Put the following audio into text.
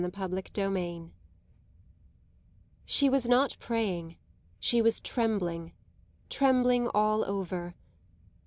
CHAPTER XVII She was not praying; she was trembling trembling all over.